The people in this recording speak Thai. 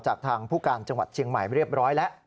จากทางผู้การจังหวัดเชียงใหม่เรียบร้อยแล้ว